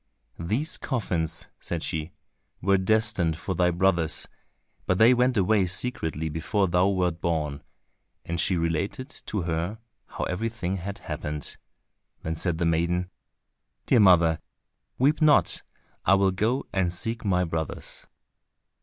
"These coffins," said she, "were destined for thy brothers, but they went away secretly before thou wert born," and she related to her how everything had happened; then said the maiden, "Dear mother, weep not, I will go and seek my brothers."